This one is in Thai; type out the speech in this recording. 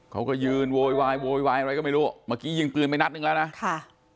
เขาก็ยืนโวยวายโวยวายอะไรก็ไม่รู้เมื่อกี้ยิงปืนไปนัดหนึ่งแล้วนะค่ะ